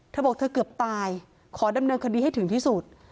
เธอบอกเธอเกือบตายขอดำเนินคดีให้ถึงที่สุด